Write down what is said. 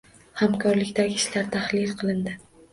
Hamkorlikdagi ishlar tahlil qilindi